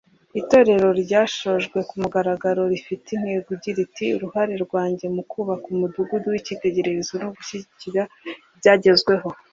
Itorero ryasojwe ku mugaragaro rifite intego igira iti ‘Uruhare rwanjye mu kubaka umudugudu w’icyitegererezo no gushyigikira ibyagezweho’